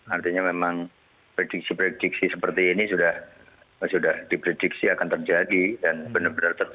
artinya memang prediksi prediksi seperti ini sudah diprediksi akan terjadi dan benar benar terjadi